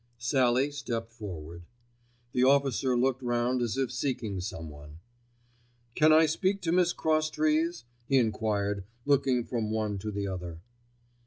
Sallie stepped forward. The officer looked round as if seeking someone. "Can I speak to Miss Crosstrees?" he enquired, looking from one to the other.